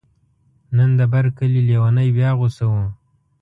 نن د بر کلي لیونی بیا غوصه و.